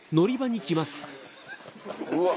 うわ。